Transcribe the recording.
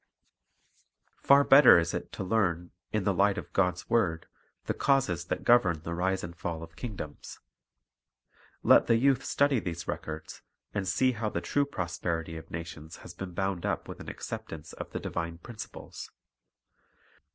Far better is it to learn, in the light of God's word, the causes that govern the rise and fall of kingdoms. Let the youth study these records, and see how the true prosperity of nations has been bound up with an acceptance of the divine principles.